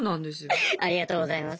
ありがとうございます。